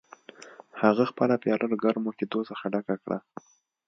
هغه خپله پیاله له ګرمو شیدو څخه ډکه کړه